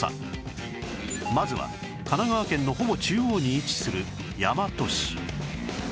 まずは神奈川県のほぼ中央に位置する大和市